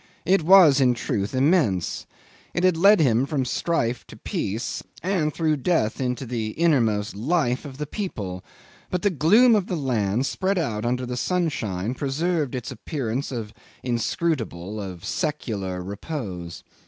It was in truth immense. It had led him from strife to peace, and through death into the innermost life of the people; but the gloom of the land spread out under the sunshine preserved its appearance of inscrutable, of secular repose.